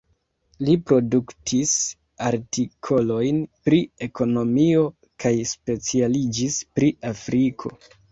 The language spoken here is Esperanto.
Li produktis artikolojn pri ekonomio kaj specialiĝis pri Afriko.